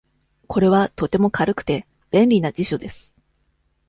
これはとても軽くて、便利な辞書です。